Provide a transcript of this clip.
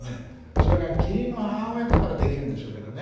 それが義理の母親だからできるんでしょうけどね。